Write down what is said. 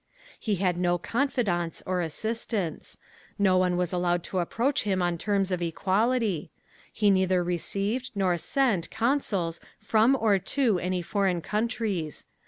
He had no confidants or assistants. No one was allowed to approach him on terms of equality. He neither received nor sent consuls from or to any foreign countries.